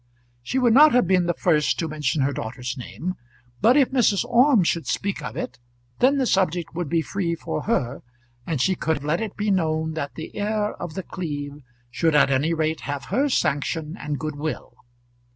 She would not have been the first to mention her daughter's name; but if Mrs. Orme should speak of it, then the subject would be free for her, and she could let it be known that the heir of The Cleeve should at any rate have her sanction and good will.